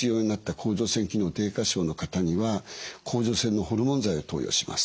甲状腺機能低下症の方には甲状腺のホルモン剤を投与します。